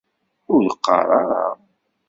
Ur qqar ara